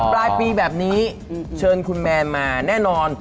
ปลายปีแบบนี้เชิญคุณแมนมาแน่นอน